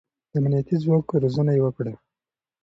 د امنيتي ځواک روزنه يې وکړه.